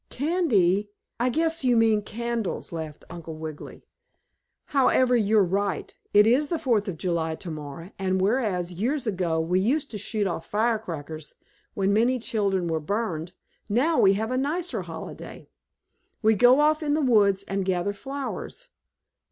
"Candy? I guess you mean candles!" laughed Uncle Wiggily. "However, you're right. It is the Fourth of July tomorrow, and whereas, years ago, we used to shoot off firecrackers (when many children were burned), now we have a nicer holiday. "We go off in the woods and gather flowers.